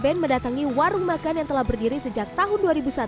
dan ben mendatangi warung makan yang telah berdiri sejak tahun dua ribu satu